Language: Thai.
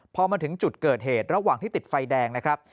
พอมาถึงจุดเกิดเหตุระหว่างที่ติดไฟแดงนะครับ